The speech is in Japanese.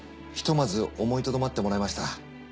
ひとまず思いとどまってもらいました。